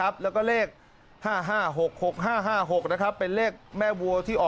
ปลูกมะพร้าน้ำหอมไว้๑๐ต้น